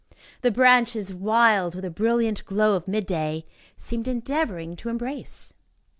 The branches, wild with the brilliant glow of midday, seemed endeavoring to embrace.